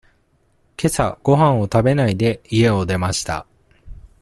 けさごはんを食べないで、家を出ました。